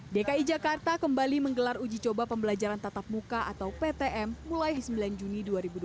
dki jakarta kembali menggelar uji coba pembelajaran tatap muka atau ptm mulai sembilan juni dua ribu dua puluh